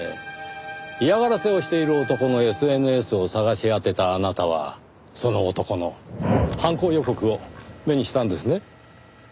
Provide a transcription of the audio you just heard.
嫌がらせをしている男のＳＮＳを探し当てたあなたはその男の犯行予告を目にしたんですね。